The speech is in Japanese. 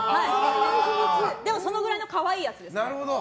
でもそのぐらいの可愛いやつです。